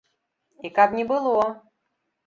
І каб не было!